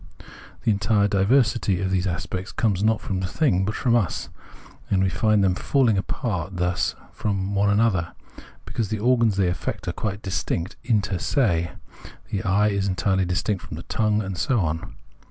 The entire diversity of these aspects comes not from the thing, but from us ; and we find them falling apart thus from one another, because the organs they affect are quite distinct inter se, the eye is entirely dis tinct from the tongue, and so on.